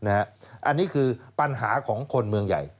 อันนี้คือปัญหาของคนเมืองใหญ่